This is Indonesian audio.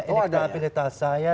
ini ketahabilitas saya